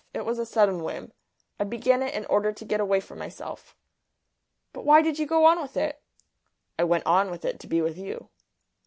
It was a sudden whim. I began it in order to get away from myself." "But why did you go on with it?" "I went on with it to be with you."